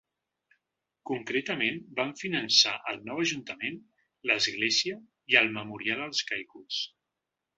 Concretament, van finançar el nou ajuntament, l’església i el memorial als caiguts.